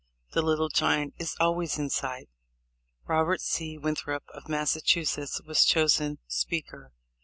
The Little Giant is always in sight ! Robert C. Winthrop, of Massa chusetts, was chosen Speaker.